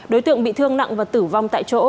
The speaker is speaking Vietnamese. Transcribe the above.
đối tượng bị thương nặng và tử vong tại chỗ